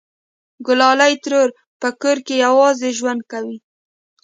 گلالۍ ترور په کور کې یوازې ژوند کوي